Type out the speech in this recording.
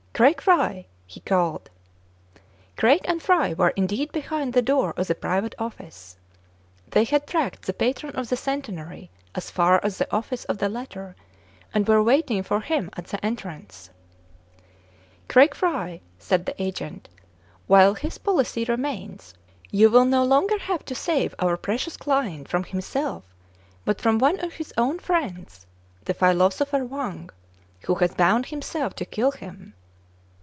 "Craig Fry!" he called. Craig and Fry were indeed behind the door of the private office. They had '* tracked " the patron of the Centenary as far as the office of the latter, and were waiting for him at the entrance. " Craig Fry," said the agent, while his policy remains, you will no longer have to save our pre cious client from himself, but from one of his own friends, the philosopher Wang, who has bound him self to kill him."